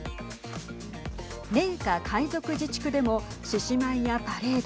寧夏回族自治区でも獅子舞やパレード。